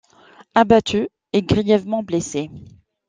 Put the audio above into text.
Abattu et grièvement blessé.